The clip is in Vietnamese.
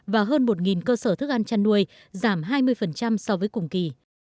và hơn một cơ sở thức ăn chăn nuôi giảm hai mươi so với cùng kỳ